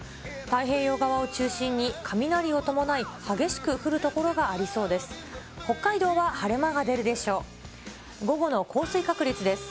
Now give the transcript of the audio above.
太平洋側を中心に、雷を伴い、激しく降る所がありそうです。